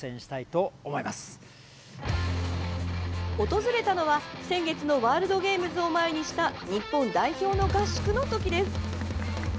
訪れたのは先月のワールドゲームズを前にした日本代表の合宿の時です。